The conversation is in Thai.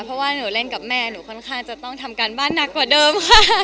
เพราะว่าหนูเล่นกับแม่หนูค่อนข้างจะต้องทำการบ้านหนักกว่าเดิมค่ะ